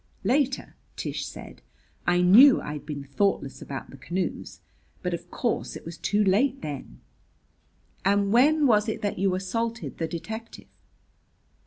"Later," Tish said, "I knew I'd been thoughtless about the canoes; but, of course, it was too late then." "And when was it that you assaulted the detective?"